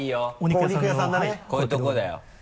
こういう所だよ。